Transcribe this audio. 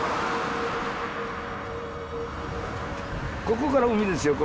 ここから海ですよ。